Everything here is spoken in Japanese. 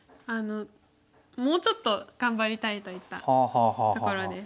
もうちょっと頑張りたいといったところです。